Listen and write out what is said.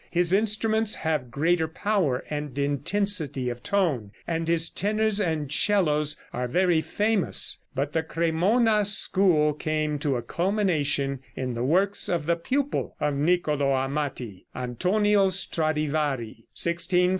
His instruments have greater power and intensity of tone, and his tenors and 'cellos are very famous. But the Cremona school came to a culmination in the works of the pupil of Nicolo Amati Antonio Stradivari, 1649 1737.